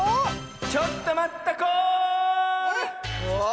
ちょっとまったコール！